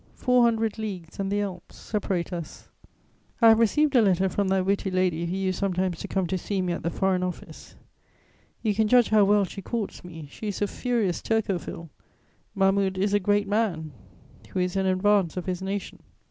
Four hundred leagues and the Alps separate us! [Sidenote: Amateur theatricals.] "I have received a letter from that witty lady who used sometimes to come to see me at the Foreign Office; you can judge how well she courts me: she is a furious Turcophile; Mahmud is a great man, who is in advance of his nation!